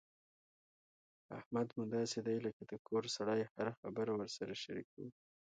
احمد مو داسې دی لکه د کور سړی هره خبره ورسره شریکوو.